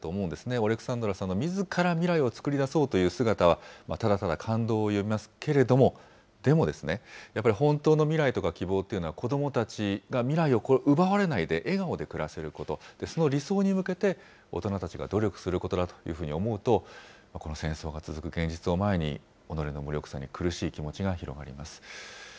オレクサンドラさんのみずから未来を作り出そうという姿は、ただただ感動を呼びますけれども、でもですね、やっぱり本当の未来とか希望っていうのは子どもたちが未来を奪われないで、笑顔で暮らせること、その理想に向けて大人たちが努力することだというふうに思うと、この戦争が続く現実を前に、おのれの無力さに苦しい気持ちが広がります。